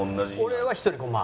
俺は１人５万。